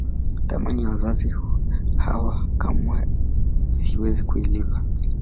Thamani ya wazazi hawa kamwe siwezi kuilipa